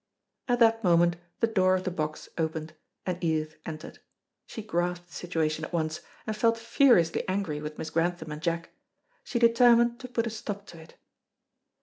At that moment the door of the box opened, and Edith entered. She grasped the situation at once, and felt furiously angry with Miss Grantham and Jack. She determined to put a stop to it.